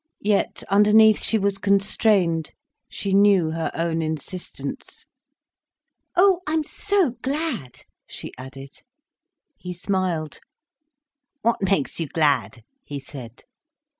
Yet underneath she was constrained, she knew her own insistence. "Oh, I'm so glad," she added. He smiled. "What makes you glad?" he said.